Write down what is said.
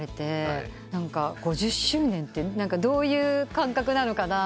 ５０周年ってどういう感覚なのかなと思って。